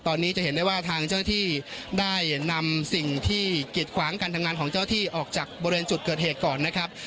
ตอนนี้จะเห็นได้ว่าทางเจ้าหน้าที่ได้นำสิ่งที่กิดขวางการทำงานของเจ้าที่ออกจากบริเวณจุดเกิดเหตุก่อนนะครับ